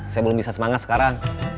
saya belum bisa semangat sekarang